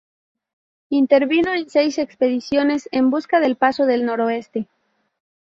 Intervino en seis expediciones en busca del Paso del Noroeste.